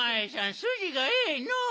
すじがええのう。